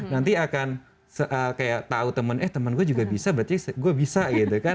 nanti akan kayak tau temen eh temen gue juga bisa berarti gue bisa gitu kan